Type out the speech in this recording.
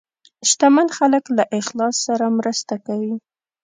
شتمن خلک له اخلاص سره مرسته کوي.